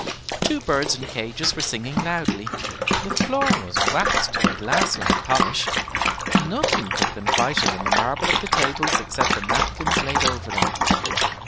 Two birds in cages were singing loudly; the floor was waxed to a glass like polish; nothing could have been whiter than the marble of the tables except the napkins laid over them.